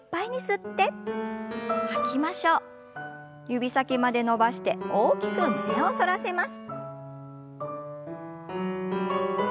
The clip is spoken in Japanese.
指先まで伸ばして大きく胸を反らせます。